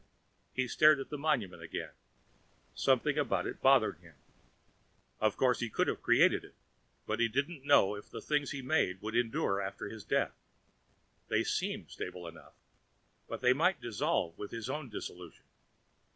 He stared at the monument again. Something about it bothered him. Of course, he could have created it, but he didn't know if the things he made would endure after his death. They seemed stable enough, but they might dissolve with his own dissolution.